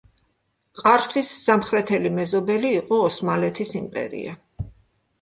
ყარსის სამხრეთელი მეზობელი იყო ოსმალეთის იმპერია.